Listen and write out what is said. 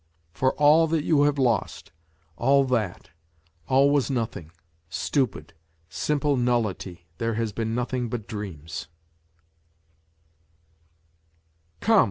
. for all that you have lost, all that, all was nothing, stupid, simple nullity, there has been nothing but dreams